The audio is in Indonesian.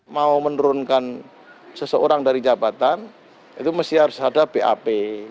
mau menurunkan seseorang dari jabatan itu mesti harus ada bap